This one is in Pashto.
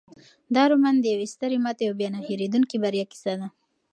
دا رومان د یوې سترې ماتې او بیا نه هیریدونکې بریا کیسه ده.